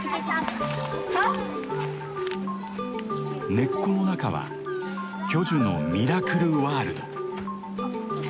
根っこの中は巨樹のミラクルワールド。